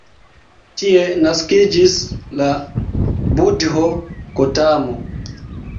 Tie naskiĝis la budho Gotamo.